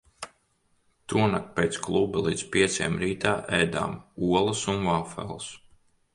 Tonakt pēc kluba līdz pieciem rītā ēdām olas un vafeles.